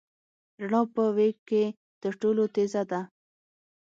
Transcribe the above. رڼا په وېګ کي تر ټولو تېزه ده.